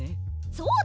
そうだ！